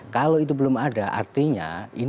kalau itu belum ada artinya